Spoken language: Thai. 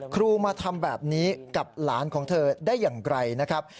ครูมาทำแบบนี้กับหลานของเธอได้อย่างไกลนะครับ